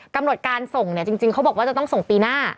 กำหนดการส่งเนี่ยจริงเขาบอกว่าจะต้องส่งปีหน้า